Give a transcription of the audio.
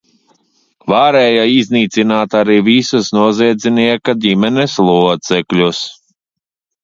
Varēja iznīcināt arī visus noziedznieka ģimenes locekļus.